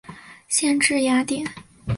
县治雅典。